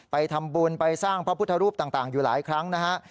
ไปทำบุญไปสร้างพระพุทธรูปต่างอยู่หลายครั้งนะฮะ